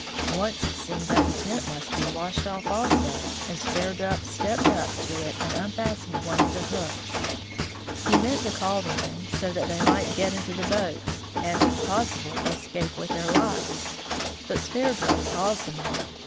Once it seemed that the tent must be washed off also, and Sverdrup stepped up to it and unfastened one of the hooks. He meant to call the men, so that they might get into the boats, and, if pos sible, escape with their lives. But Sverdrup paused a moment.